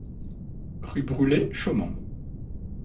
Rue Brulé, Chaumont